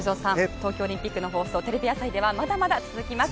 東京オリンピックの放送テレビ朝日ではまだまだ続きます。